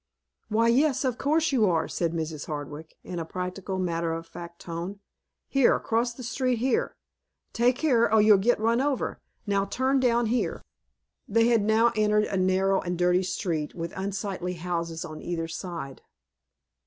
"Why, yes, of course you are," said Mrs. Hardwick, in a practical, matter of fact tone. "Here, cross the street here. Take care or you'll get run over. Now turn down here." They had now entered a narrow and dirty street, with unsightly houses on either side.